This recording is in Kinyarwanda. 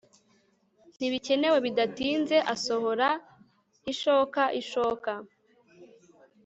Ntibikenewe bidatinze asohora ishokaishoka